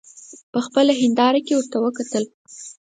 په خپله هینداره کې ورته وکتل.